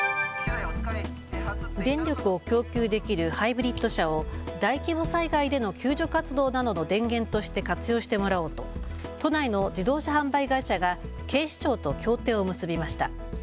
電力を供給できるハイブリッド車を大規模災害での救助活動などの電源として活用してもらおうと都内の自動車販売会社が警視庁と協定を結びました。